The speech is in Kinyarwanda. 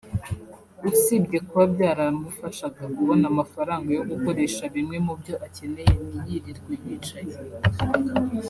usibye kuba byaramufashaga kubona amafaranga yo gukoresha bimwe mubyo akeneye ntiyirirwe yicaye